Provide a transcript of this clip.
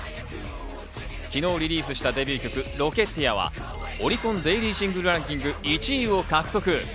昨日リリースしたデビュー曲『Ｒｏｃｋｅｔｅｅｒ』はオリコンデイリーシングルランキング１位を獲得。